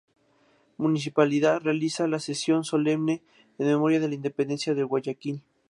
Municipalidad realiza la "Sesión Solemne" en memoria de la independencia de Guayaquil.